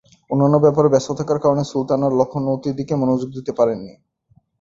অন্যান্য ব্যাপারে ব্যস্ত থাকার কারণে সুলতান আর লখনৌতির দিকে মনোযোগ দিতে পারেন নি।